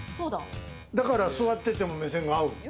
だから座ってても目線があう。